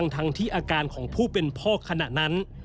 ทั้งที่อาการของผู้เป็นพ่อขณะนั้น